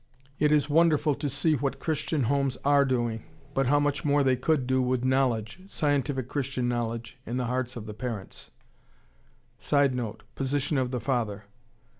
It is wonderful to see what Christian homes are doing, but how much more they could do with knowledge, scientific Christian knowledge, in the hearts of the parents!" [Sidenote: Position of the father.